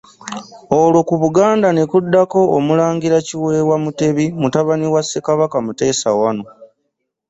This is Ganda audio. Olwo ku Buganda ne kuddako Omulangira Kiweewa Mutebi mutabani wa Ssekabaka Muteesa I.